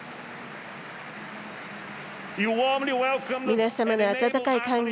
皆様の温かい歓迎